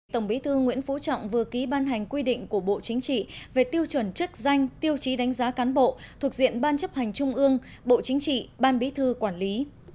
tổng bí thư nguyễn phú trọng vừa ký ban hành quy định của bộ chính trị về tiêu chuẩn chức danh tiêu chí đánh giá cán bộ thuộc diện ban chấp hành trung ương bộ chính trị ban bí thư quản lý